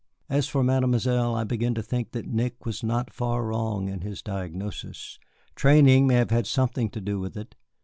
As for Mademoiselle, I began to think that Nick was not far wrong in his diagnosis. Training may have had something to do with it.